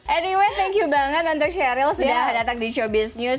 anyway thank you banget untuk sheryl sudah datang di showbiz news